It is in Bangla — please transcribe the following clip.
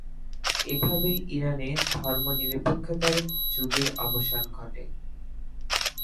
এভাবেই, ইরানে ধর্মনিরপেক্ষতার যুগের অবসান ধটে।